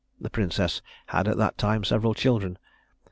The princess had at that time several children.